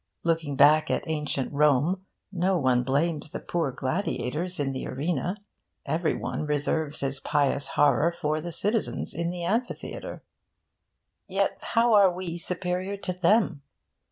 Looking back at ancient Rome, no one blames the poor gladiators in the arena. Every one reserves his pious horror for the citizens in the amphitheatre. Yet how are we superior to them?